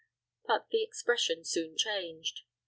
But the expression soon changed.